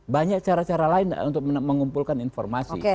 banyak cara cara lain untuk mengumpulkan informasi